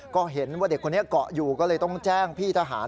ก็เห็นว่าเด็กคนนี้เกาะอยู่ก็เลยต้องแจ้งพี่ทหาร